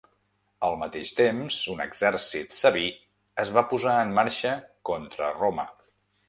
Al mateix temps, un exèrcit sabí es va posar en marxa contra Roma.